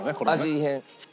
味変。